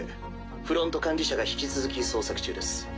フロント管理社が引き続き捜索中です。